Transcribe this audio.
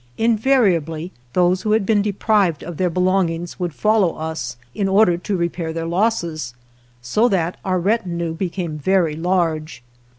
Invariably those who had been deprived of their be longings would follow us, in order to re pair their losses, so that our retinue became very large.